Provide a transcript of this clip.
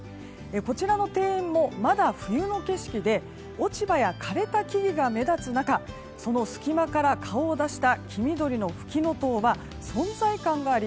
こちらの庭園も、まだ冬の景色で落ち葉や枯れた木々が目立つ中その隙間から顔を出した黄緑のフキノトウは存在感があり